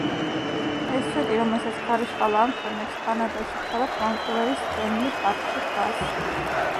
ეს სვეტი, რომელსაც ქარიშხალა ამშვენებს, კანადაში, ქალაქ ვანკუვერის სტენლი პარკში დგას.